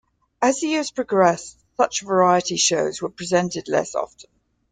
As the years progressed, such variety shows were presented less often.